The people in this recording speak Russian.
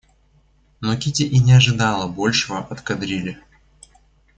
Но Кити и не ожидала большего от кадрили.